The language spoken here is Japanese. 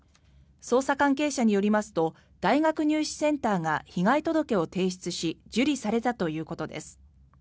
捜査関係者によりますと大学入試センターが被害届を提出し受理されたということです。